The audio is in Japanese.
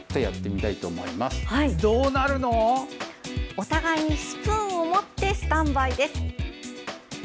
お互いにスプーンを持ってスタンバイです。